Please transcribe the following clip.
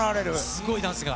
すごいダンスが。